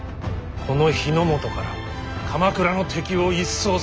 この日本から鎌倉の敵を一掃する。